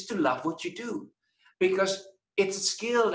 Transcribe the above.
adalah mencintai apa yang anda lakukan